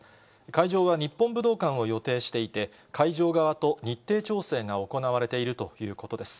会場は日本武道館を予定していて、会場側と日程調整が行われているということです。